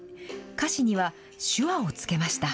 歌詞には、手話をつけました。